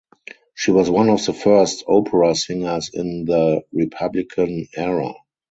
She was one of the first opera singers in the Republican era.